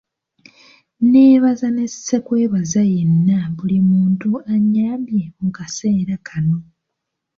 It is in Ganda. N'ebaza ne ssekwebaza yenna buli muntu anyambye mu kaseera kano